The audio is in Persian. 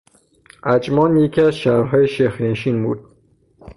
عجمان یکی از شهرهای شیخ نشین بود.